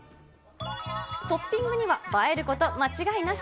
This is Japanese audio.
トッピングには、映えること間違いなし。